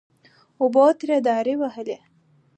اوبو ترې دارې وهلې. .